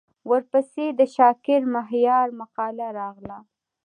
ورپسې د شاکر مهریار مقاله راغله.